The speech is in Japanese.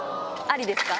ありですか？